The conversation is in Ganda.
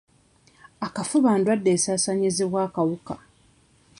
Akafuba ndwadde esaasaanyizibwa akawuka.